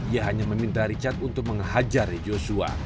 ia hanya meminta richard untuk menghajar joshua